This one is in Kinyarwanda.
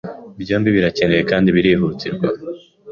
Byombi birakenewe kandi birihutirwa